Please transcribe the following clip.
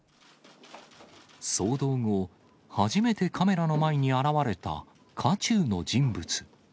騒動後、初めてカメラの前に現れた渦中の人物。